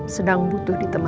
sedang butuh dedeknya